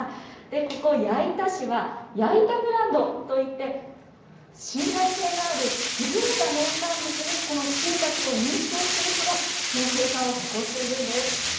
ここ、矢板市はやいたブランドといって、信頼性のある優れた農産物にこのしいたけを認証するほど、その生産を誇っているんです。